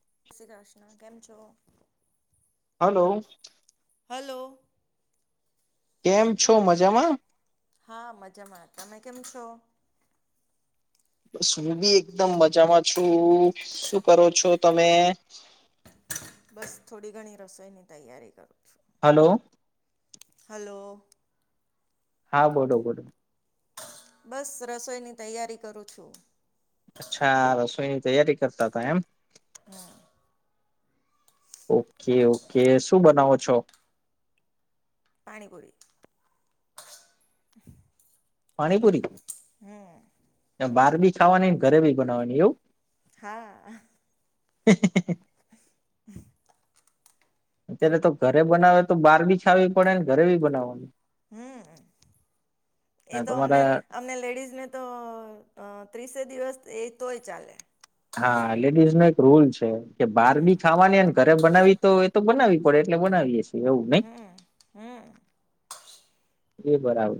જય શ્રી કૃષ્ણ, કેમ છો? હલો. હલો. કેમ છો, મજામા હા, મજામાં તમે કેમ છો? બસ હું બી એકદમ મજામાં છું, શું કરો છો, તમે? બસ થોડી, ઘણી રસોઈની તૈયારી કરો છે. હલો. હલો. હા, બોલોો બોલો બસ રસોઈની તૈયારી કરું છું. અચ્છા રસોઈની તૈયારી કરતા હતા, એમ હા ઓકે ઓકે શું બનાવો છો. પાણીપુરી. [inaudible] પાણીપુરી. હમ્મ બહારબી ખાવાની, ઘરે બી બનાવાની એવું હા. હે, હે, હે અત્યારે, તો ઘરે બનાવે. તો બહાર બી છાવી પડે ને ઘરે બી બનાવવાની હમ, હા એતો અમને, તમારા અમને લેડીઝ ને તો ત્રીસે દિવસ, એ તોય ચાલે હા, લેડીઝનો એક રૂલ છે, કે બારડી ખાવાની ઘરે બનાવી, તો એ તો બનાવી, પડે એટલે બનાવીએે હમ હમ એ બરાબ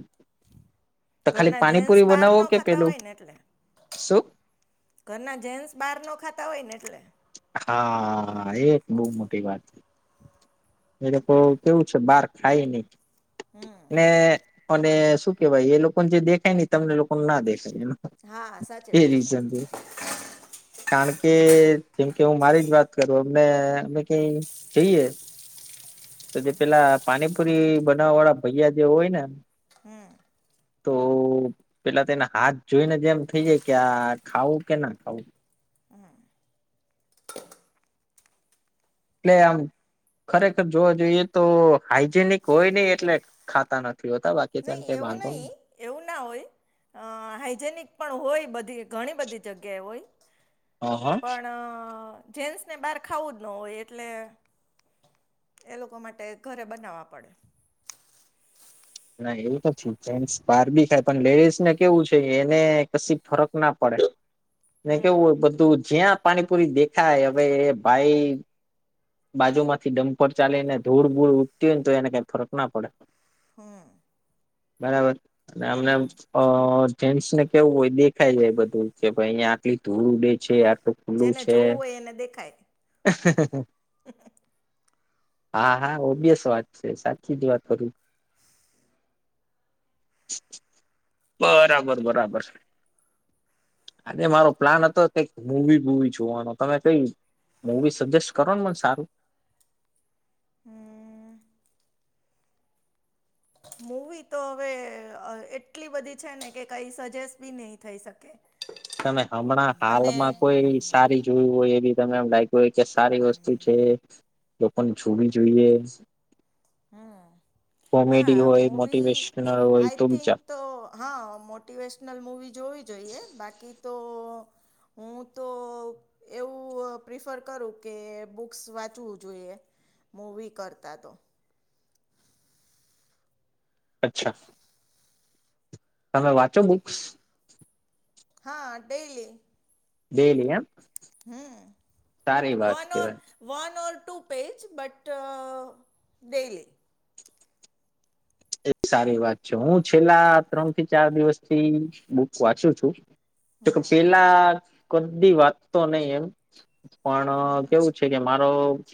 ઘરના જેન્ટસ બહાર બનાવો નો કે ખાતા પેલું હોય ને એટલે શું ઘરના જેન્સ બહાર ન ખાતા હોય ને એટલે હા એક બઉં મોટી વાત એ લોકો કેવું છે બાર ખાય ની ને અને શું કેવાય એ લોકોને જે દેખાય ને તમને લોકો ના દે હા સાચી એ વાત રીઝન છે કારણ કે કે હું મારી જ વાત કરું અમને મેં કઈ જઈએ તો જે પેલા પાણીપુરી બનાવા વાળા ભૈયા જે હોય ને હમ તો પેલા તેના હાથ જોઈને જ એમ થઈ જાય કે આ ખાવું કે ના ખાવું ટલે આમ ખરેખર જોવા જોઈએ તો હાઈજેનિક હોય ને એટલે ખાતા નથી હોતા બાકી કેમ નહીં કે એવું વાંધો નહીં એવું ના હોય અ હાઈજેનિક પણ હોય બધી ઘણી બધી જગ્યાએ હોય હ હ પણ જેન્સને બાર ખાવું જ ન હોય એટલે એ લોકો માટે ઘરે બનાવવા પડે ના એવું નથી જેન્ટસ બહાર બી ખાય પણ લેડીઝ ને કેવું છે એને કશી ફરક ના પડે ને હમ કેવું હોય બધું જ્યાં પાણીપુરી દેખાય હવે ભાઈ બાજુમાંથી ડમ્પર ચાલી ને ધૂળ ભૂળ ઉગતી હોય ને તો એને કઈ ફરક ના પડે હમ બરાબર અને અમને અ ફન્સ ને કેવું હોય દેખાઈ જાય બધું કે ભાઈ અહીયા આટલી ધૂળે છે આટલુ ખુલ્લું જેને છે જોવું હોય એને દેખાય [inaudible] હા હા ઓબિયસ વાત છે સાચી જ વાત કરું બરાબર બરાબર આજે મારો પ્લાન હતો કે મુ વી બૂવી જોવાનો તમે કઈ મુવી સજેસ કરોન મન સારું હ મુવી તો હવે એટલી બધી છે ને કે કઈ સજેસ બી નહી થઈ શકે તમે હમણાં અને હાલમાં કોઈ સારી જોવી હોય એવી તમે એમ લાય ગી હોય કે સારી વસ્તુ છે લોકોને જોવી જોઈએ હમ કોમેડી હોય મોટિવેશનલ હોય આઈ ત બચા થિંક તો હા મોટિવેશનલ મૂવી જોવી જોઈએ બાકી તો હું તો [inaudible] એવું વું પ્રિફર કરું કે બુક્સ વાંચવું જોઈએ મુવી કરતા તો અચ્છા તમે વાંચો બુક્સ હા ડેઇલી ડેલી એમ સારી હમ વાત વન ઓ કેવાય one or two page but daily એ સારી વાત છે હું છેલ્લા ત્રણ થી ચાર દિવસ થી બુક્સ વાંચું છું જો કે હમ પેલા કધી વાતતો નઈ એમ પણ કેવું છે કે મારો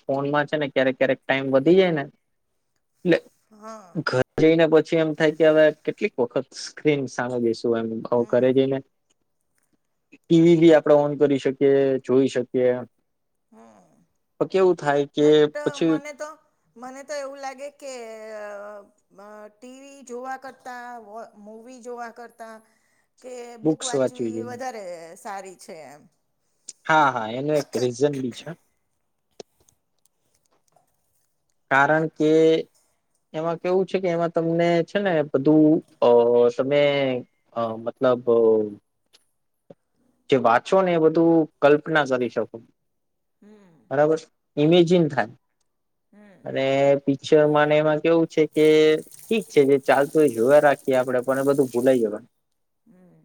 ફોનમાં છે ને ક્યારેક ક્યારેક ટાઈમ વધી જાય ને હા ને પછી એમ થાય કે હવે કેટલીક વખત સ્ક્રીન સામે જઈશું એ હમ કરે જઈને ટીવી બી આપણે ઓન કરી શકીએ જોઈ શકીએ તો કેવું થાય કે બટ પછી મને તો મને તો એવું લાગે કે ટીવી જોવા કરતા મુવી જોવા કરતા કે બુક બુક્સ વાંચવી જોઈએ વધારે સારી છે એમ હા હા એનું એક રીઝન બી છે કારણ કે એમાં કેવું છે કે એમાં તમને છે ને બધું અ તમે મતલબ લભ જે વાંચો ને એ બધું કલ્પના કરી શકો હમ બરાબર ઇમેજિન થાય હમ અને મને એમાં કેવું છે કે ઠીક છે જે ચાલતું હેવા રાખીએ આપડે પણ બધું ભૂલાઈએ [inaudible] હમ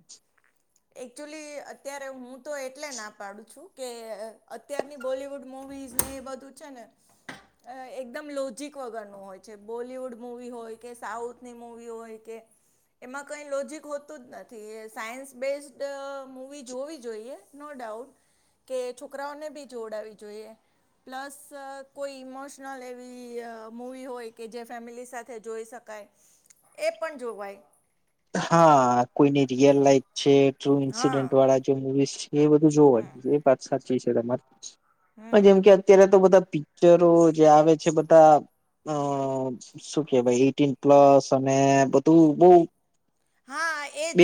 એકચુલી અત્યારે હું તો એટલે ના પાડું છું કે અત્યારની બોલીિવુડ મુવીઝ ને એ બધું છે ને અ એકદમ લોજક વગરનું હોય છે બોલિવુડ મવી હોય કે સાઉથની મુવી હોય કે એમાં કઈ લોજીક હોતું જ નથી એ સાયન્સ બેઝ દ મુવી જોવી જોઈએ નો ડાઉટ કે છોકરાઓને બી જોડાવી જોઈએ પ્લસ કોઈ ઇમોશનલ એવી મુવી હોય કે જે ફેમિલી સાથે જોઈ શક કાય એ પણ જોવાય હા કોઈની રિયલ લાઈફ છે ટ્રૂ હા ઇન્સિડેન્ટ વાળા જે મુવીઝ છે એ બધું હમ જોવાનું એ વાત સાચી છે તમારે પણ હમ જેમ કે અત્યારે તો બધા પિક્ચરો જે આવે છે બધા અ શું કે ભાઈ એટીન પ્લસ અને બધું બોવ હા એજ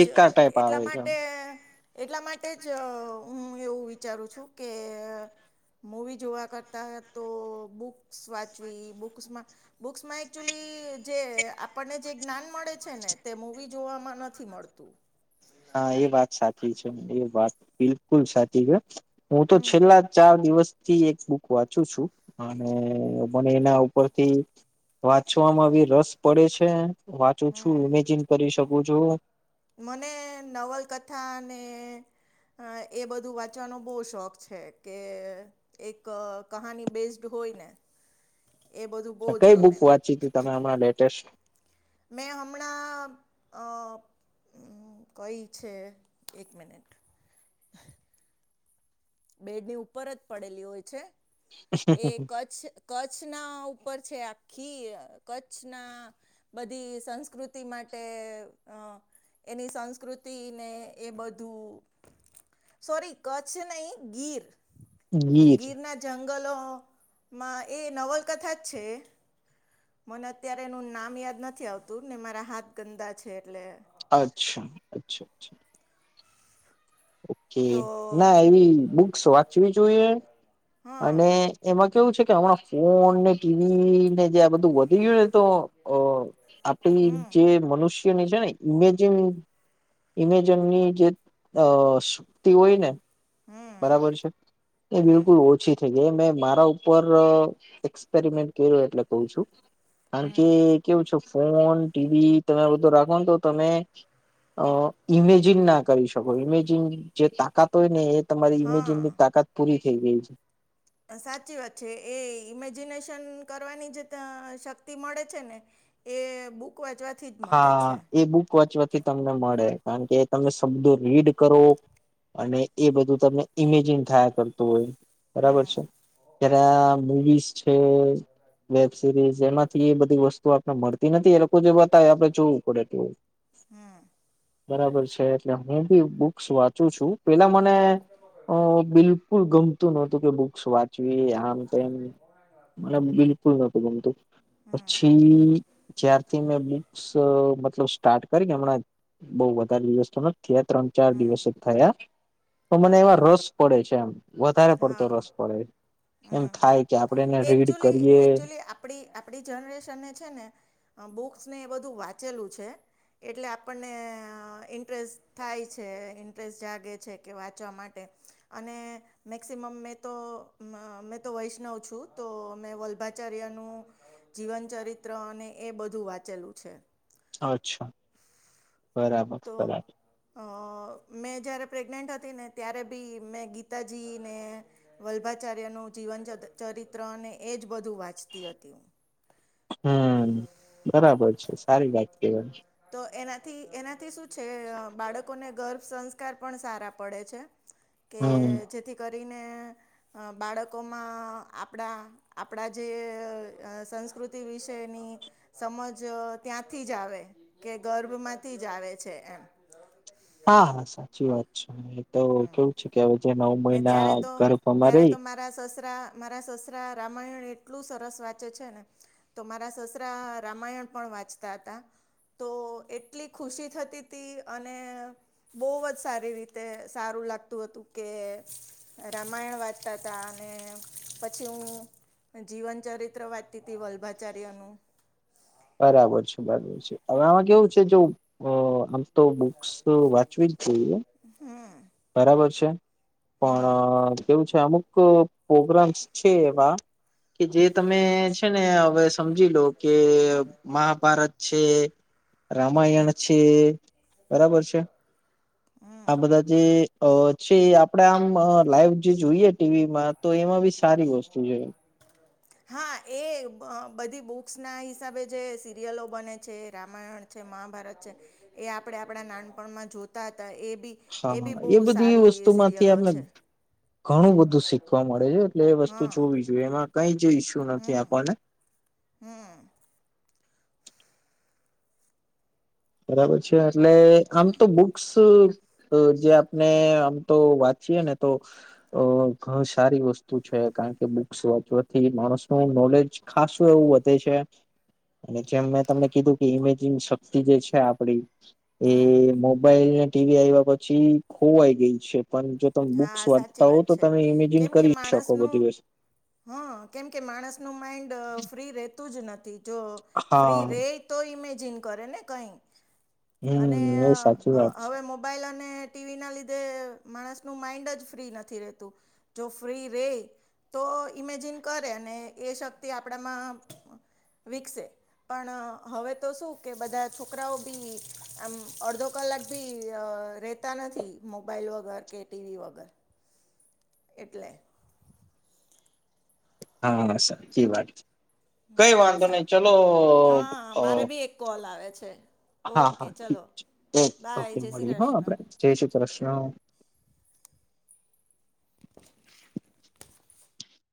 એટલા આવે છે. માટે એટલા માટે જ હું એવું વિચારું છું કે મુવી જોવા કરતા તો બુક્સ વાંચવી બુક્સમાં બુક્સમાં એકચુલી જે આપણને જે જ્ઞાન મળે છે ને તે મુવી જોવાવામાં નથી મળતું હા એ વાત સાચી છે એ વાત બિલકુલ સાચી છે હું તો હમ છેલ્લા ચાર દિવસ થી એક બુક વાંચું છું અને મને એના ઉપરથી વાંચવામાં બી રસ પડે છે વાંચું છું ઇમેજિન કરી શકું છું મને નવલકથા ને એ બધું વાંચવાનો બહ શોખ છે કે એક કહાની બેઇઝ્ડ હોય ને [inaudible] એ બધું બહુ જ કઈ બુક ગમે વાંચી તું તમે હમણાં લેટેસ્ટ મે હમણા હમ કઈ છે એક મિનિટ બેડની ઉપર જ પડેલી હોય છે એ ક્છ કચ્છ ના ઉપર છે આખી કચ્છના બધી સંસ્કૃતિ માટે અ એની સંસ્કૃતિ ને એ બધું સોરી કચ્છ નહી ગીર ગીર ના જંગ ગલોમાં એ નવલકથા જ છે મને અત્યારે એનું નામ યાદ નથી આવતું ને મારા હાથ ગંદા છે એટલે અચ્છા અચ્છા અચ્છા ઓકે તો ના એવી બુક્સ વાંચવી જોઈએ હા અને એમાં કેવું છે, કે હમણાં ફોન ને ટીવી ને જે આ બધું વધી ગયું ને, તો આપડી જે મનુષ્ય છે, ને ઇમેજિન ઇમેજનની જે અ સુક્તિ હોય ને બરાબર છે. એ બિલકુલ ઓછી થઈ ગઈ, મેં મારા ઉપર એક્સપેરિમેન્ટ કર્યો એટલે ક છું કારણ કે, કેવું છે ફોન ટીવી તમે બધો રાખો ને તો તમે અ ઈમેજિન ના કરી શકો, ઈમેજિન જે તાકાત હોય ને એ તમારી ઇમેજની હા તાકાત પૂરી થઈ ગઈ છે. સાચી વાત છે, એ ઈમેજિનેશન કરવાની જે શક્તિ મળે છે ને એ બુક વાંચવાથી જ મળે હા, છે એ બુક વાંચવાથી તમને મળે કારણ કે તમે શબ્દો રીડ કરો અને એ બધું તમને ઈમેજિન થયા કરતું હોય બરાબર હમ છે. જ્યારે મુવીઝ છે. વેબ સિરીઝ, એમાંથી એ બધી વસ્તુ આપને મળતી નથી એ લોકો જો આપડે જોવું પડે તું હમ બરાબર છે, એટલે હું બી બુક્સ વાંચું છું પેલા મને બિલ કુલ ગમતું નહોતું, કે બુક્સ વાંચવી આમ, તેમ મને બિલકુલ નહોતું ગમતું પછી જયાર્થી મેં બુ મતલબ, સ્ટાર્ટ કરીને હમણાં બઉ વધારે દિવસ થયા ત્રણ, ચાર દિવસ થયા તો મને એવા રસ પડે છે એમ વધારે પડતો, હા રસ પડે એમ હમ થાય કે આપણે એને રીડ એકચુલી કરીએ એકચુલી આપડી આપડી જનરેશનને છે ને આ બુક્સ ને એ બધું વાંચેલું છે એટલે આપણને ઇન્ટરેસ્ટ થાય છે, ઇન્ટરેસ્ટ જાગે છે કે વાંચવા માટે અને મેક્સિમમ મેં તો મેં તો વૈષ્ણવ છું, તો મેં વલ્ભાચાર્યનું જીવન ચરિત્ર અને, એ બધું વાંચેલું છે. અચ્છા બરાબર તો, બરાબર અ મેં જ્યારે પ્રેગ્નેન્ટ હતી ને, ત્યારે બી મેં ગીતાજીને વલ્ભાચાર્યનું જીવન ચ રિત્ર અને, એજ બધું વાંચતી હતી. હમ બરાબર છે, સારી વાત કેવાય તો એનાથી એનાથી શું છે, બાળકોને ગર્ભ સંસ્કાર પણ સારા પડે છે, કે હમ જેથી કરીને અ બાળકોમાં આપણા આપણા જે, સંસ્કૃતિ વિશે ની, સમજ ત્યાંથી જ આવે કે ગર્ભમાંથી જ આવે છે, એમ હા, હા સાચી વાત છે, એ તો કેવું છે કે જે નવ ને મહિના ત્યારે તો ઘરમા ત્યારે રહી તો મારા સસરા મારા સસરા રામાયણ એટલું સરસ વાંચે છે ને, તો મારા સસરા રામાયણ પણ વાંચતા હતા તો, એટલી ખુશી થતી ત અને બોહવ જ સારી રીતે સારું લાગતું હતું. કે રામાયણ વાંચતા હતા અને, પછી હું જીવન ચરિત્ર વાચતી હતી, વલ્ભાચાર્ય નું બરાબર છે, બરાબર છે, હવે આમાં કેવું છે જો આમ તો બુક્સ વાંચવી જ જોઈએ હમ બરાબર છે, હમ પણ કેવું છે અમુક પ્રોગ્રામસ છેવા કે જે તમે છે, ને હવે સમજી લો કે મહાભારત છે. રામાયણ છે બરાબર છે, આ હમ બધા જે છે આપણેે આમ લાઈવ જે જોઈએ ટીવીમાં તો એમાં બી સારી વસ્તુ છે, હા, એ બધી બુક્સ ના હિસાબે જે સિરિયલો બને છે રામાયણ છે. મહાભારત છે એ આપણે આપણા નાનપણમાં જોતા એ બી હા એ બી હા બહુ બધી સારી વસ્તુ એ માંથી સિરિયલો આપને છે, ઘણું બધું શીખવા મળે છે, એટલે એ વસ્તુ હા જોવી જોઈએ એમાં કઈ જ ઈશુ નથી, હમ આપણને હમ બરાબર છે એટલે આમ તો બુક્સ જે આપને આમ તો વાંચીએે ને તો ઘ સારી વસ્તુ છે. કારણ બક્સ વાચવાથી માણસ નું નોલેજ ખાસું એવું વધે છે. અને જેમ મેં તમને કીધું કે ઇમેજ શક્તિ જે છે, છે આપડી હમ એ મોબાઈલ ને ટીવી આવ્યા પછી ખોવાઈ ગઈ છે, પણ જો તમે બુક્સ હા સાચી વાચતા હોવ વાત તો છે તમે ઇમેજિન કેમ કે કરી શકો બધી માણસનું વત હા કેમ કે માણસનું માઈન્ડ ફ્રી રતું જ નથી, જો ફ્રી હા રે તો ઈમેજિન કરે ને કઈ? અને હમ એ સાચી વાત છે હવે મોબાઈલ અને ટીવી ના લીધે માણસ માન્ડ જ ફ્રી નથી, રતું જો ફ્રી રે તો ઈમેજિન કરે અને એ શક્તિ આપણામાં વિકસે પણ હવે તો શું કે બધા છોકરાઓ બી આમ અડધો કલાક ભી રહેતા નથી, મોબાઈલ વગર કે ટીવી વગર એટલે હા સાચી વાત છે, કઈ વાંધો નહી ચલો હા, અ, મારે બી એક કોલ આવે છે, હા ઓકે હા ઠીક ચલો છે ઓકે બાય ઓકે જય શ્રી મળીએ હા કૃષ્ણ આપડ જય શુ કૃષ્ણ